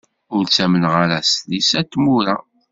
Ur ttamneɣ ara s tlisa d tmura.